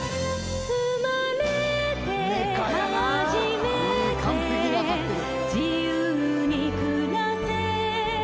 いい完璧に当たってる。